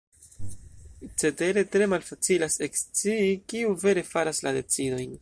Cetere, tre malfacilas ekscii kiu vere faras la decidojn.